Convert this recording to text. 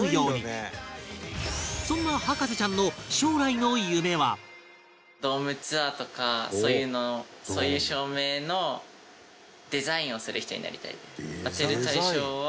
そんなドームツアーとかそういうそういう照明のデザインをする人になりたいです。